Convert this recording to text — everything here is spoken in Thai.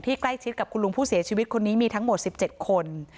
ใกล้ชิดกับคุณลุงผู้เสียชีวิตคนนี้มีทั้งหมด๑๗คน